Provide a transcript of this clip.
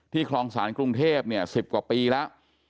ที่ครองศาลกรุงเทพฯสิบกว่าปีแล้ว